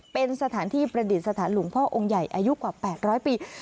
เป็นสถานที่ประดิษฐานหลวงพ่อองค์ใหญ่อายุกว่า๘๐๐ปี